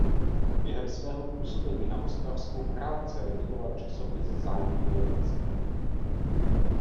Během svého působení na Ostravsku krátce redigoval časopis "Zájmy dělnictva".